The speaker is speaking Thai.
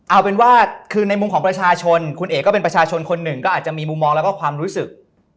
เอาเป็นว่าคือในมุมของประชาชนคุณเอกก็เป็นประชาชนคนหนึ่งก็อาจจะมีมุมมองแล้วก็ความรู้สึก